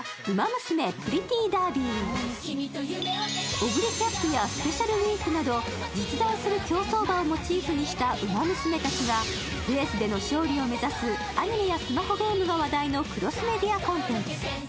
オグリキャップやスペシャルウィークなど実在する競走馬をモチーフにしたウマ娘たちがレースでの勝利を目指すアニメやスマホゲームが話題のクロスメディアコンテンツ。